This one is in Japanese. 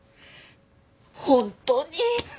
本当に？